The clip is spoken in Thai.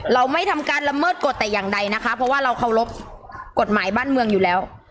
เราไม่ทำการละเมิดกฎแต่อย่างใดนะคะเพราะว่าเราเคารพกฎหมายบ้านเมืองอยู่แล้ว